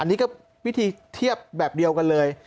อันนี้ก็วิธีเทียบแบบเดียวกันเลย